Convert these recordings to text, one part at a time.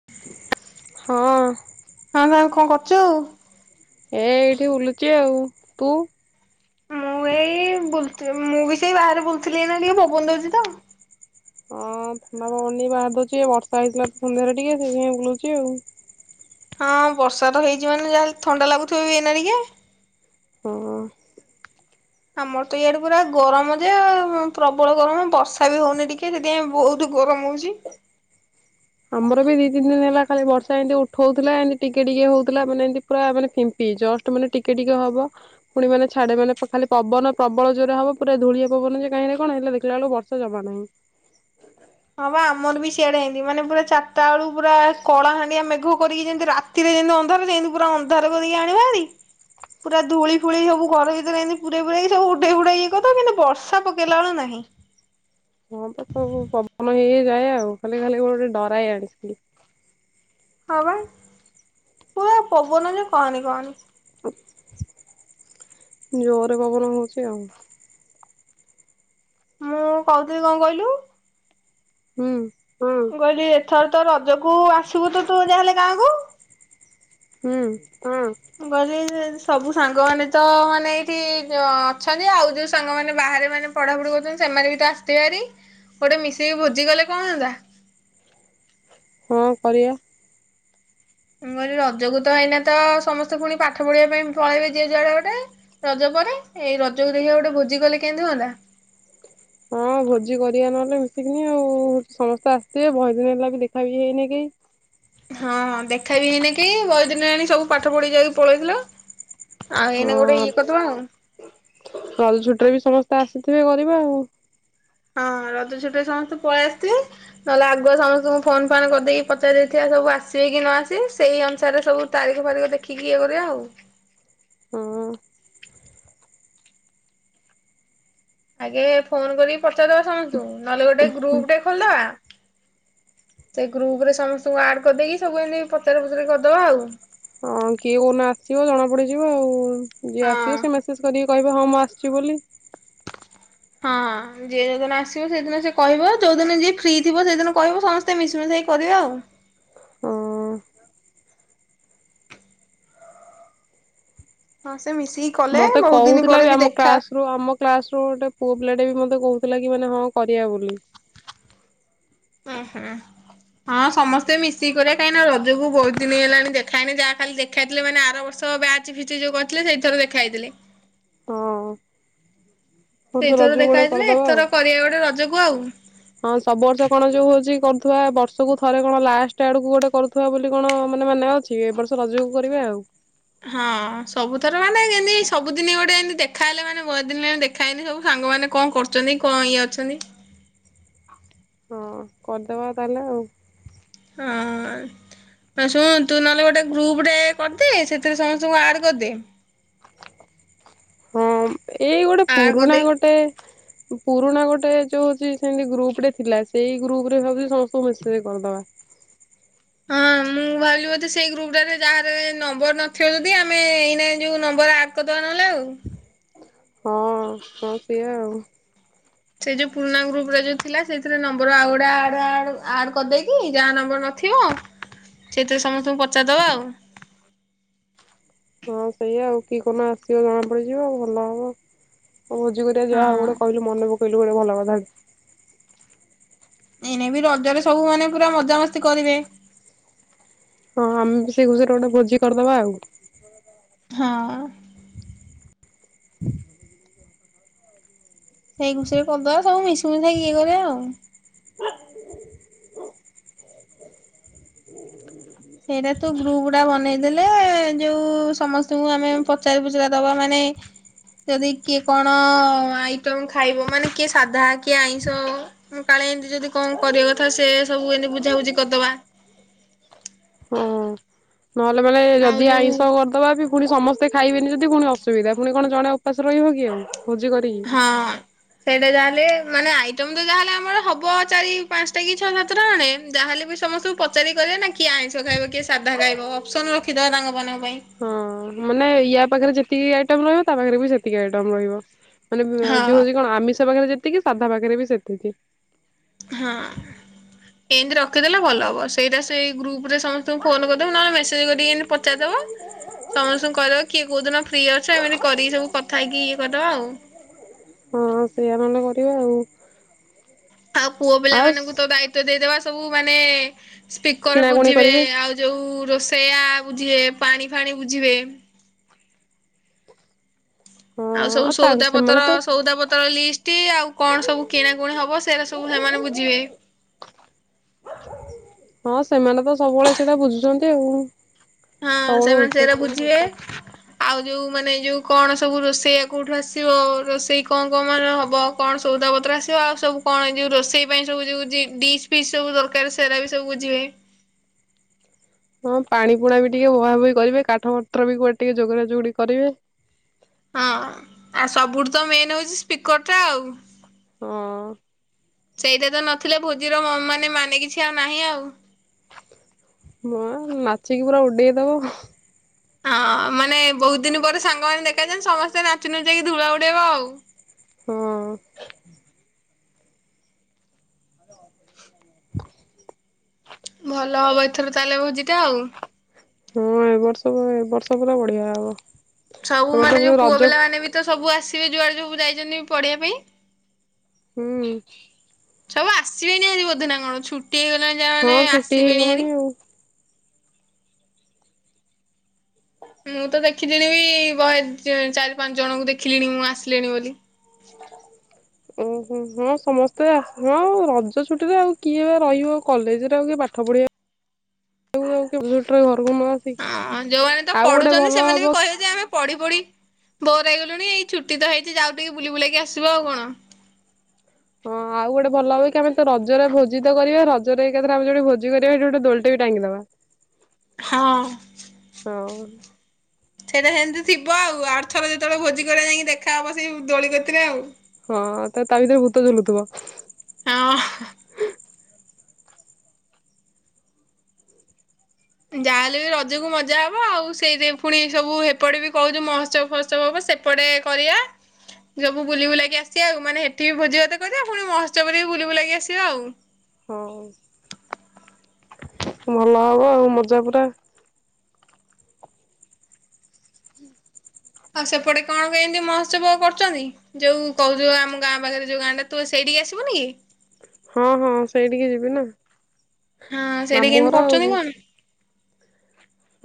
ହଁ। ହଁ ଭାଉଜ୍ କଣ କରଛୁ ଆଉ। ଏ ଏଇଠି ବୁଲୁଚି ଆଉ, ତୁ। ମୁଁ ଏଇ ବୁଲଥିଲି ମୁଁ ବି ସେଇ ବାହାରେ ବୁଲଥିଲି ଏଇନା ଟିକେ ପବନ ଦଉଛି ତ। ହଁ ଥଣ୍ଡା ପବନ ଟିକେ ବାହରେ ଡଉଛି ଏଇ ବର୍ଷା ହେଇଥିଲା ଫୁଣି ଥରେ ଟିକେ ସେଇଥିପାଇଁ ବୁଲୁଚି ଆଉ। ହଁ ବର୍ଷା ତ ହେଇଛି ମାନେ ଯାହାଲେ ଥଣ୍ଡା ଲାଗୁଥିବ ବି ଏଇନା ଟିକେ। ହଁ ଅ। ଆମର ତ ଇଆଡେ ପୁରା ଗରମ ଯେ ପ୍ରବଳ ଗରମ ବର୍ଷା ବି ହଉନି ଟିକେ ସେଥ ସେଥିପାଇଁ ବହୁତ ଗରମ ହଉଛି। ଆମର ବି ଦି ତିନିଦିନି ହେଲା ଖାଲି ବର୍ଷା ଏନ୍ତି ଉଠଉଥିଲା ଏନ୍ତି ଟିକେଟିକେ ହଉଥିଲା ମାନେ ଏନ୍ତି ପୁରା ମାନେ ଫିମ୍ପୀ ଜଷ୍ଟ ମାନେ ଟିକେ ଟିକେ ହବ ପୁଣି ମାନେ ଛାଡେ ମାନେ ଖାଲି ପବନ ପ୍ରବଳ ଜୋରରେ ହବ ପୁରା ଧୁଳିଆ ପବନ ଯେ କାହିଁରେ କଣ ହେଲେ ଦେଖିଲାଳୁ ବ ଜମା ନାହିଁ। ହଁ ବା ଆମର ବି ସିଆଡେ ଏନ୍ତି ମାନେ ପୁରା ଚାରିଟା ଏଳୁ ପୁରା କଳାହାଣ୍ଡିଆ ମେଘ କରିକି ଯେମିତି ରା ତିରେ ଜେନ୍ତି ଅନ୍ଧାର ସେନ୍ତି ପୁରା ଅନ୍ଧାର କରିକି ଆଣିବ ଭାରି ପୁରା ଧୂଳି ଫୁଳି ସବୁ ଘର ଭିତରେ ଏନ୍ତି ପୁରେଇ ପୁରେଇ ସବୁ ଉଡେଇ ଫୁଡେଇ ଇଏ କରି ଦବ କିନ୍ତୁ ବର୍ଷା ପକେଇଲାଳୁ ନାହିଁ। ହଁ ତ ସବୁ ପବନ ହେଇ ହେଇ ଯାଏ ଆଉ ଖାଲି ଖାଲି ଗୋଟେ ଡରାଏ ଇଆଡେ ଖାଲି। ହଁ ବା ପୁରା ପବନ ଯେ କହନି କହନି। ଜୋରରେ ପବନ ହଉଛି ଆଉ। ମୁଁ କହୁଥିଲି କଣ କହିଲୁ? ହୁଁ। ହୁଁ ମୁ କହିଲି ଏଥର ତ ରଜକୁୁ ଆସୁବୁତ ତୁ ଯାହାହେଲେ ଗାଁକୁ। ହୁଁ। ହୁଁ। ମୁଁ କହିଲି ସବୁ ସାଙ୍ଗମାନେ ତ ମାନେ ଏଇଠି ଅଛନ୍ତି ଆଉ ଯେଉଁ ସାଙ୍ଗମାନେ ବାହାରେ ମାନେ ପଢାପଢି କରୁଛନ୍ତି ସେମାନେ ବି ତ ଆସିଥିବେ ଭାରି ଗୋଟେ ମିଶିକି ଭୋଜି କଲେ କଣ ହନ୍ତା? କଣ କରିଆ? ମୁ କଇଲି ରଜକୁ ତ ଏଇନା ତ ସମସ୍ତେ ପୁଣି ପାଠ ପଢିବା ପାଇଁ ପଳେଇବେ ଯିଏ ଯୁଆଡେ ଗୋଟେ ରଜ ପରେ ଏଇ ରଜକୁ ଦେଖିଆ ଗୋଟେ ଭୋଜି କଲେ କେମତି ହୁଅନ୍ତା? ହଁ ଭୋଜି କରିବା ନହେଲେ ମିଶିକିନି ଆଉ ସମସ୍ତେ ଆସିବେ ବହେଦିନ ହେଲା ବି ଦେଖା ବି ହେଇନିକି ହଁଁ ଦେଖେଇବିନି କି ବହେଦିନ ହେଲାଣି ସବୁ ପାଠ ପଢି ଯାଇକି ପଳେଇଥିଲ। ଆଉ ଏନେ ଗୋଟେ ଇଏ କରିଦବା ଆଉ। କାଲି ଛୁଟିରେ ବି ସମସ୍ତେ ଆସିଥିବେ କରିବା ଆଉ। ହଁ ରଜ ଛୁଟିରେ ସମସ୍ତେ ପଳେଇ ଆସିଥିବେ ନହେଲେ ଆଗୁଆ ସମସ୍ତଙ୍କୁ ଫୋନଫାନ୍ କରିଦେଇକି ପଚାରି ଦେଇଥିବା ସବୁ ଆସିବେ କି ନଆସିବେ ସେଇ ଅନୁସାରେ ସବୁ ତାରିଖ ଫାରିଖ ଦେଖିକି ଇଏ କରିବା ଆଉ। ହଁ। ଆଗେ ଫୋନ କରିକି ପଚାରିଦବା ସମସ୍ତଙ୍କୁ ନହେଲେ ଗୋଟେ ଗ୍ରୁପ ଟେ ଖୋଲିଦବା। ସେଇ ଗ୍ରୁପରେ ସମସ୍ତଙ୍କୁ ଆଡ଼ କରିଦେଇକି ସବୁ ଏନ୍ତି ପଚରା ପୁଚୁରି କରିଦବା ଆଉ। ହଁ କିଏ କୋଉଦିନ ଆସିବ ଜଣାପଡ଼ିଯିବ ଆଉ ଯିଏ ଆସିବ ହଁ। ସେ ମେସେଜ କରିକି କହିବ ହଁ ମୁଁ ଆସୁଛି ବୋଲି। ହଁ। ଯିଏ ଯୋଉଦିନ ଆସିବ ସେଇଦିନ ସେ କହିବ ଯୋଉଦିନ ଯିଏ ଫ୍ରି ଥିବ ସେଇଦିନ କହିବ ସମସ୍ତେ ମିଶିମୁଷାକି କରିବା ଆଉ। ହଁ। ହଁ ସେ ମିଶିକି କଲେ ମତେ ବହୁତ ଦିନ ପରେ କହୁଥିଲାବି ବି ଆମ ଦେଖା କ୍ଲାସରୁ ଆମ କ୍ଲାସରୁ ଗୋଟେ ପୁଅ ପିଲାଟେ ବି ମତେ କହୁଥିଲା କି ମାନେ ହଁ କରିବା ବୋଲି। ହୁଁ ହୁଁ। ହଁ ସମସ୍ତେ ମିଶିକି କରିବା। କାହିଁକିନା ରଜକୁ ବୋହୁତଦିନି ହେଲାଣି ଦେଖା ହେଇନି ଯାହା ଖାଲି ଖାଇଥିଲେ ମାନେ ଆରବର୍ଷ ବ୍ୟାଚଫିଷ୍ଟ ଯୋଉ କରିଥିଲେ ସେଇଥର ଦେଖା ହେଇଥିଲେ। ହଁ ବର୍ଷ ସେଇଥରକ ରଜକୁ ଦେଖା ଗୋଟେ ହେଇଥିଲେ କରିଦବା ଆଉ। ଏଥର କରିବା ଗୋଟେ ରଜକୁ ଆଉ। ହଁ ସବୁ ବର୍ଷ କଣ ଯୋଉ ହଉଛି କରୁଥିବା ବର୍ଷକୁ ଥରେ କଣ ଲାଷ୍ଟ ଆଡକୁ ଗୋଟେ କରୁ ଥୁବା ବୋଲି କଣ ମାନେ ମାନେଅଛି। ଏବର୍ଷ ରଜକୁ କରିବା ଆଉ। ହଁ ସବୁଥର ମାନେ ଯେନ୍ତି ସବୁଦିନ ଗୋଟେ ଏନ୍ତି ଦେଖାହେଲେ ମାନେ ବହୁତଦିନ ହେ ଦେଖ ଖା ହେଇନି ସବୁ ସାଙ୍ଗମାନେ କଣ କରୁଛନ୍ତି କଣ ଇଏ ଅଛନ୍ତି। ହଁ କରିଦବା ତାହେଲେ ଆଉ। ହଁ। ଶୁଣ ତୁ ନହେଲେ ଗୋଟେ ଗ୍ରୁପ ଟେ କରିଦେ ସେଥିରେ ସମସ୍ତଙ୍କୁ ଆଡ କରିଦେ। ହଁ ଏଇ ଗୋଟେ ଆଡ ପୁରୁଣା କରିଦେଇ ଗୋଟେ ପୁରୁଣା ଗୋଟେ ଯୋଉ ହଉଛି ସେମିତି ଗ୍ରୁପ ରେ ଥିଲା ସେଇ ଗ୍ରୁପ ରେ ଭାବୁଛି ସମସ୍ତଙ୍କୁ ମେସେଜ କରିଦବା। ହଁ ମୁଁ ମୁଁ ଭାବିଲି ବୋଧେ ସେଇ ଗ୍ରୁପ ଟାରେ ଯାହାର ନମ୍ବର ନଥିବ ଯଦି ଆମେ ଏଇନା ଯୋଉ ନମ୍ବର ଆଡ଼୍ କରିଦେବା ନହେଲେ ଆଉ। ହଁ ହଁ ସେଇଆ ଆଉ। ସେଇ ଯୋଉ ପୁରୁଣା ଗ୍ରୁପରେ ଯୋଉ ଥିଲା ସେଇଥିରେ ନମ୍ବର ଆଉ ଗୁଡ଼େ ଆଡ ଆଡ ଆଡ଼ କରିଦେଇକି ଯାହା ନମ୍ବର ନ ଥିବ ସେଥିରେ ସମସ୍ତଙ୍କୁ ପଚାରିଦବା ଆଉ। ହଁ ସେଇଆ ଆଉ କିଏ କୋଉଦିନ ଆସିବ ଜଣାପଡିଯିବ ଆଉ ଭଲ ହବ। ଭୋଜି କରିବା ଯାହାହୋଉ ହଁ ଗୋଟେ କହିଲୁ ମନପକେଇଲୁ ଗୋଟେ ଭଲ କଥା ଏନେ ବି ରଜରେ ସବୁ ମାନେ ପୁରା ମଜାମସ୍ତି କରିବେ। ହଁ ଆମେ ବି ସେ ଖୁସିରେ ଗୋଟେ ଭୋଜି କରିଦବା ଆଉ। ହଁ। ସେଇ ଖୁସିରେ କରିଦବା ସବୁ ମିଶିମୂଷାକି ଇଏ କରିବା ଆଉ। ହ ସେଇଟା ତୁ ଗ୍ରୁପଟା ବନେଇଦେଲେ ଯୋଉ ସମସ୍ତଙ୍କୁ ଆମେ ପଚାରି ପୁଚୁରା ଦବା ମାନେ ଯଦି କିଏ କଣ ଆଇଟମ ଖାଇବ ମାନେ କିଏ ସାଧା କିଏ ଆଇଁଷ ମୁଁ କାଳେ ଏମିତି ଯଦି କଣ କରିବା କଥା ସେ ସବୁ ଏମିତି ବୁଝାବୁଝି କରିଦବା। ହଁ। ନହେଲେ ମାନେ ଆଉ ଯଦି ଯୋଉ ଆଇଁଷ କର ଦବାବି ପୁଣି ସମସ୍ତେ ଖାଇବେନି ଯଦି ପୁଣି ଅସୁବିଧା ପୁଣି କଣ ଜଣେ ଉପାସ ରହିବ କି ଆଉ। ଖୋଜି କରିକି ହଁ। ସେଇଟା ଯାହାହେଲେ ମାନେ ଆଇଟମ୍ ତ ଯାହାଲେ ଆମର ହବ ଚାରି ପାଞ୍ଚଟା କି ଛଅ ସାତଟା ଖଣ୍ଡେ ଯାହାଲେ ବି ସମସ୍ତଙ୍କୁ ପଚାରି କରିବେନା କିଏ ଆଇଁଷ ଖାଇବ କିଏ ସାଧା ଖାଇବ ଅପ୍ ସନ୍ ରଖିଦବା ତାଙ୍କ ମନଙ୍କ ପାଇଁ। ହଁ ମାନେ ୟା ପାଖରେ ଯେତିକି ଆଇଟମ୍ ରହିବ ତା ପାଖରେ ବି ସେତିକି ଆଇଟମ୍ ରହିବ। ମାନେ ହଁ ଯୋଉ ହୋଉଛି କଣ ଆମିଷ ପାଖରେ ଯେତିକି ସାଧା ପାଖରେ ବି ସେତିକି। ହଁ। ଏନ୍ତି ରଖିଦେଲେ ଭଲ ହବ ସେଇଟା ସେଇ ଗ୍ରୁପ୍ ରେ ସମସ୍ତଙ୍କୁ ଫୋନ କରିଦବୁ ନହେଲେ ମେସେଜ୍ କରିକି ଏନ୍ତି ପଚାରିଦବ। ସମସ୍ତଙ୍କୁ କହିଦବ କିଏ କୋଉଦିନ ଫ୍ରି ଅଛ ଏମିତି କରିକି ସବୁ କଥା ହେଇକି ଇଏ କରଦବ ଆଉ। ହଁ ସେଇଆ ନହନେ କରିବା ଆଉ। ଆଉ ପୁଅ ପିଲା ଆଉ ମାନଙ୍କୁ ତ ଦାୟିତ୍ବ ଦେଇଦବା ସବୁ ମାନେ ସ୍ପିକର କିଣାକୁଣି ବୁଝିବେ କରିବେ ଆଉ ଯୋଉ ରୋଷେଇଆ ବୁଝିବେ ପାଣି ଫାଣି ବୁଝିବେ। ହଁ ଆଉ ସବୁ ତା ସଉଦା ସେମାନେ ପତ୍ର ତ ସଉଦା ପତ୍ର ଲିଷ୍ଟ। ଟି ଆଉ କଣ ସବୁ କିଣାକୁଣି ହବ ସେରା ସବୁ ସେମାନେ ବୁଝିବେ। ହଁ ସେମାନେ ତ ସବୁବେଳେ ସେଇଟା ବୁଝୁଛନ୍ତି ଆଉ। ହଁ ସବୁବେଳେ ସେମାନେ ସେଇରା ବୁଝୁଛନ୍ତି। ବୁଝିବେ। ଆଉ ଯୋଉ ମାନେ ଯୋଉ କଣ ସବୁ ରୋଷେଇଆ କୋଉଠୁ ଆସିବ ରୋଷେଇ କଣ କଣ ମାନ ହବ। କଣ ସଉଦାପତ୍ର ଆସିବ ଆଉ ସବୁ କଣ ଏ ଯୋଉ ରୋଷେଇ ପାଇଁ ସବୁ ଯୋଉ ଡିସ୍ ପିସ୍ ସବୁ ଦରକାର ସେଇରା ବି ସବୁ ବୁଝିବେ। ହଁ ପାଣି ପୁଣା ବି ଟିକେ ବୁହା ବୋହି କରିବେ କାଠ ପତ୍ର ବି କୁଆଡେ ଟିକେ ଯୋଗାଡ ଯୋଗୋଡି କରିବେ। ହଁ ଆଉ ସବୁଠୁ ତ ମେନ୍ ହୋଉଛି ସ୍ପିକର ଟା ଆଉ। ହଁ। ସେଇଟା ତ ନଥିଲେ ଭୋଜିର ମ ମାନେ ମାନେ କିଛି ଆଉ ନାହିଁ ଆଉ। ହଁ ନାଚିକି ପୁରା ଉଡେଇଦବ। ହଁ ମାନେ ବହୁତ ଦିନ ପରେ ସାଙ୍ଗମାନେ ଦେଖାଯାନ୍ତି ସମସ୍ତେ ନାଚି ନୁଚକି ଧୂଳା ଉଡେଇବ ଆଉ। ହୁଁ। ଭଲ ହବ ଏଥର ତାହେଲେ ଭୋଜିଟା ଆଉ। ହଁ ଏ ବର୍ଷ ଏ ବର୍ଷ ପୁରା ବଢିଆ ହବ। ଏ ସବୁ ବର୍ଷ ମାନେ ପୁଣି ଯୋଉ ପୁଅ ରଜ ପିଲାମାନେ ବି ତ ସବୁ ଆସିବେ ଯୁଆଡେ ଯୁ ଯାଇଛନ୍ତି ପଢିବା ପାଇଁ। ହୁଁ। ସବୁ ଆସିବେନି ଆଜି ବୋଧେ ନା କଣ ଛୁଟି ହେଇଗଲାଣି ଯାହା ହଁ ମାନେ ଛୁଟି ଆସିବେଣି ହେଇଗଲାଣି ହାରି। ଆଉ। ମୁଁ ତ ଦେଖିଲିଣି ବି ବହେ ଚାରି ପାଞ୍ଚ ଜଣଙ୍କୁ ଦେଖିଲିଣି ମୁଁ ଆସିଲିଣି ବୋଲି। ଓହୋ ହଁ ସମସ୍ତେ ହଁ ରଜ ଛୁଟିରେ ଆଉ କିଏ ବା ରହିବ କଲେଜ୍‌ରେ ଆଉ କିଏ ପାଠ ପଢିବା ମୁଁ କେବେଠୁ ଘରକୁ ମା ହଁ ଯୋଉମାନେ ତ ପଢୁଛନ୍ତି ସେମାନେ ବି କହିବେ ଯେ ଆମେ ପଢ଼ି ପଢ଼ି ବୋର ହେଇଗଲୁଣି ଏଇ ଛୁଟି ତ ହେଇଛି ଯାଉ ଟିକେ ବୁଲି ବୁଲାକି ଆସିବୁ ଆଉ କଣ। ହଁ ଆଉ ଗୋଟେ ଭଲ ହବ କି ଆମେ ତ ରଜରେ ଭୋଜି ତ କରିବା ରଜରେ ଏକାରେ ଆମେ ଯୋଉଠି ଭୋଜି କରିବା ସେଠି ଗୋଟେ ଦୋଳି ଟେ ବି ଟାଙ୍ଗିଦବା। ହଁ। ହଁ ଉଁ। ସେଇଟା ସେମିତି ଥିବ ଆଉ ଆରଥର ଯେତେବେଳେ ଭୋଜି କରିବା ଯାଇକି ଦେଖା ହେବ ସେଇ ଦୋଳି କତିରେ ଆଉ। ହଁ ତ ତା ଭିତରେ ଭୂତ ଜଝୁଲୁଥିବ। ହଁ। ଯାହାହେଲେ ବି ରଜକୁ ମଜା ହବ ଆଉ ସେଇଥି ପାଇଁ ପୁଣି ସବୁ ହେପଟେ ବି କହୁଛୁ ମହୋଉତ୍ସବ ଫହୋଉତ୍ସବ ହବ ସେ ଏପଟେ କରିବା। ସବୁ ବୁଲି ବୁଲାକି ଆସିବା ଆଉ ମାନେ ସେଠି ଭୋଜି ଭତେ କରିବା ପୁଣି ମହଉତ୍ସବ ରେ ବି ବୁଲ ବୁଲାକି ଆସିବା ଆଉ। ହୋଉ ଭଲ ହବ ଆଉ ମଜା ପୁରା। ଆଉ ସେପଟେ କଣ କେମିତି ମହୋତ୍ସବ କରୁଛନ୍ତି ଯୋଉ କହୁଛୁ ଆମ ଗାଁ ପାଖରେ ଯୋଉ ଗାଁ ସେଇଠିକି ଆସିବୁନି କି ହଁ ହଁ ସେଇଠିକି ଯିବି ନା। ହଁ ସେଠିକି ମାମୁଁ ଘର କେମିତି ଆଉ ଯିବି। କରୁଛନ୍ତି କଣ?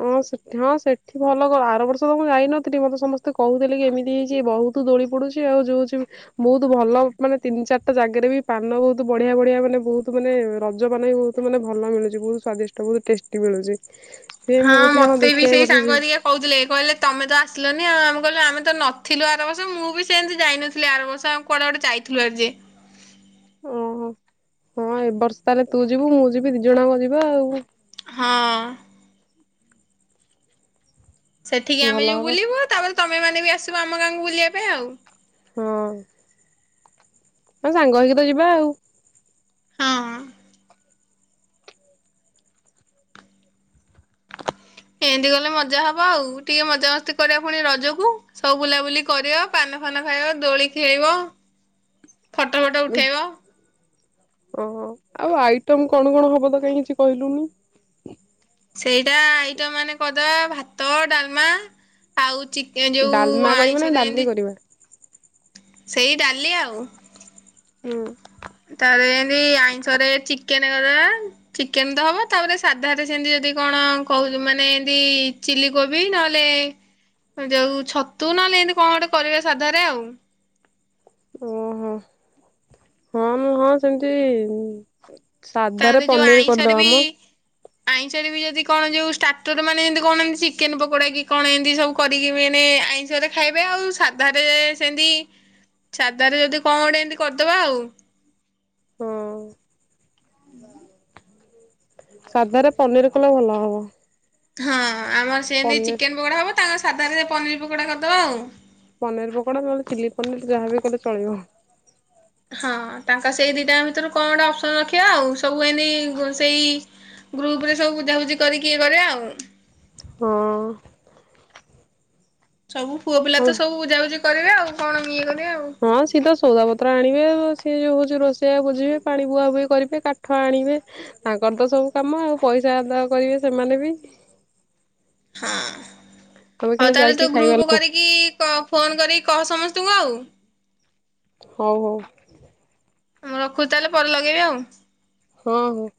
ହଁ, ହଁ ସେଠି ସେଠି ଭଲ କର ଆର ବର୍ଷ ତ ମୁଁ ଯାଇନଥିଲି ମତେ ସମସ୍ତେ କହୁଥିଲେ କି ଏମିତି ହେଇଛି ବହୁତ ତୁ ଦୋଳି ପଡୁଛି ଆଉ ଯୋଉ ହଉଛି ବହୁତ୍ ଭଲ ମାନେ ତିନି ଚାରିଟା ଜାଗାରେ ବି ପାନ ବହୁତ ବଢିଆ ବଢିଆ ମାନେ ବହୁତ୍ ମାନେ ରଜ ମାନ ବି ବହୁତ୍ ତ ମାନେ ଭଲ ମିଳୁଚି ବହୁତ୍ ସ୍ଵାଦିଷ୍ଟ ବହୁତ୍ ଟେଷ୍ଟି ମିଳୁଛି। ସେ ହଁ ମୁଁ କହୁଥିଲି ମତେ ବି ଦେଖିବା ଏ ସେଇ ବର୍ଷ ସାଙ୍ଗ ଯିବି ଘାରିଆ କହୁଥିଲେ କହିଲେ ତମେ ତ ଆସିଲନି ଆଉ ଆମେ କହିଲୁ ଆମେ ତ ନଥିଲୁ ଆରବର୍ଷ ମୁଁ ବି ସେମିତି ଯାଇନଥିଲି ଆରବର୍ଷ ଆଉ। କୁଆଡେ ଗୋଟେ ଯାଇଥିଲୁ ଆଜି। ଓହୋ ହଁ ଏବ ବର୍ଷ ତାହେଲେ ତୁ ଯିବୁ ମୁଁ ଯିବି ଦି ଜଣଙ୍କ ଯିବା ଆଉ। ହଁ। ସେଠିକି ଆମେ ଭଲ ଯୋଉ ହବ ବୁଲିବୁ ତାପରେ ତମେ ମାନେ ବି ଆସିବ ଆମ ଗାଁକୁ ବୁଲିବା ପାଇଁ ଆଉ। ହଁ। ହଁ ସାଙ୍ଗ ହେଇକି ତ ଯିବା ଆଉ। ହଁ। ଏମିତି ଗଲେ ମଜା ହବ ଆଉ ଟିକେ ମଜାମସ୍ତି କରିବା ପୁଣି ରଜକୁ। ସବୁ ବୁଲାବୁଲି କରିବ ପାନ ଫାନ ଖାଇବ ଦୋଳି ଖେଳବ। [inaudible] ଫଟୋ ଫଟୋ ଉଠାଇବ। ଓହୋ ଆଉ ଆଇଟମମ୍ କଣ କଣ ହବ ତ କାହିଁ କିଛି କହିଲୁନି। ସେଇଟା ଆଇଟମ୍ ଆମେ କରିଦବା ଭାତ, ଡାଲମା ଆଉ ଟିକେନ୍ ଯୋଉ ଡାଲମା କରିବା ନା ଆଇଁଷ ଡାଲି ଦେଇନ୍ତି କରିବା ସେଇ ଡାଲି ଆଉ। ହୁଁ। ତାରେ ରେ ଏଦି ଆଇଂଶରେ ଚିକେନ୍ କରିଦବା। ଚିକେନ ତ ହବ ତାପରେ ସାଧ ରେ ସେମିତି ଯଦି କଣ କହୁ ମାନେ ଏମତି ଚିଲି କୋବି ନହେଲେ ଯୋଉ ଛତୁ ନହେଲେ ଏମିତି କଣ ଗୋଟେ କରିବା ସାଧାରେ ଆଉ। ଓହୋ ହଁ ମୁଁ ହଁ ସେମିତି ସାଧା ରେ ପନିର କରିଦବା ମ। ଆଇଁଷ ବି ଯଦି କଣ ଯୋଉ ଷ୍ଟାର୍ଟର ମାନେ ଏମତି କଣ ଏ ଚିକେନ୍ ପକୋଡା କି କଣ ଏମିତି ସବୁ କରିକି ମାନେ ଯଦି ଖାଇବେ ଆଉ ସାଧାରେ ସେମିତି ସାଧାରେ ଯଦି କଣ ଗୋଟେ ଏମିତି କରିଦେବା ଆଉ। ହଁ [inaudible] ସାଧାରେ ପନିର୍ କଲେ ଭଲ ହବ। ହଁ ଆମର ସେ ନେଇ ପନିର ଚିକେନ୍ ପକୋଡା ହବ ତାଙ୍କ ସାଧାରେ ପନିର ପକୋଡା କରିଦବା ଆଉ। ପନିର୍ ପକୋଡା ନହେଲେ ଚିଲି ପନିର ଯାହାବି କଲେ ଚଳିବ। ହଁ ତାଙ୍କ ସେଇ ଦିଟାଙ୍କ ଭିତରୁ କଣ ଗୋଟେ ଅପସନ ରଖିବା ଆଉ ସବୁ ଏନ ସେଇ ଗ୍ରୁପ ରେ ସବୁ ବୁଝାବୁଝି କରିକି କରିବା ଆଉ। ହଁ। ସବୁ ପୁଅ ପିଲା ତ ସବୁ ବୁଝାବୁଝି କରିବେ ଆଉ କଣ ଇଏ କରିବେ ଆଉ। ହଁ ସିଏ ତ ସଉଦାପତ୍ର ଆଣିବେ ସିଏ ଯୋଉ ହଉଛି ରୋଷେଇଆ ବୋଝିବେ ପାଣି ବୁହାବୁହି କରିବେ କାଠ ଆଣିବେ। ତାଙ୍କର ତ ସବୁ କାମ ଆଉ ପଇସା କରିବେ ସେମାନେ ବି ହଁ। ଆମେ ହଉ ଖାଲି ତାହେଲେ ଯାଇକି ତୁ ଖାଇବା ଗ୍ରୁପ ଲୋକ କରିକି ଫୋନ କରିକି କହ ସମସ୍ତଙ୍କୁ ଆଉ। ହଉ ହଉ। ମୁଁ ରଖୁଚି ତାଏଲେ ପରେ ଲଗେଇବି ଆଉ। ହଁ ହଁ।